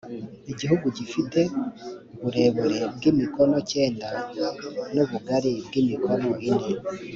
igihugu gifite uburebure bw’imikono cyenda, n’ubugari bw’imikono ine